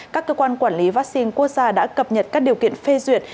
các cơ quan quản lý vaccine quốc gia đã cập nhật các điều kiện phê duyệt